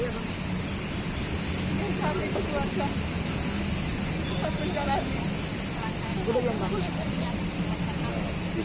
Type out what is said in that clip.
saya ingin kami berdua dan satu kalanya